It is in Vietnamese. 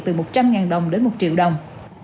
từ một trăm linh đồng đến một triệu đồng